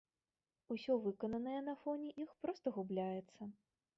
Усё выкананае на фоне іх проста губляецца.